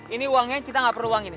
ini uangnya kita nggak perlu uang ini